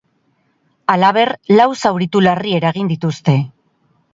Halaber, lau zauritu larri eragin dituzte.